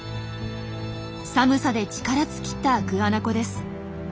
寒さで力尽きたグアナコです。